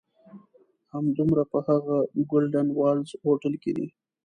همدومره په هغه "ګولډن والز" هوټل کې دي.